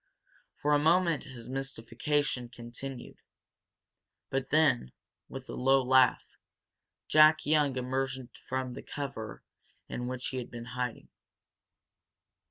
For a moment his mystification continued. But then, with a low laugh, Jack Young emerged from the cover in which he had been hiding.